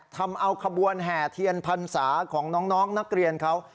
ทำเอาขบวนแห่เทียนพรรษาของน้องนักเรียนเขา